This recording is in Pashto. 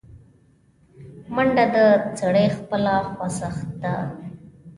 منډه د سړي خپله خوځښت ده